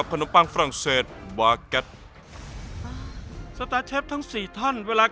สตาร์ทเชฟทั้งสี่ท่านชนะของพวกเลววิแน่น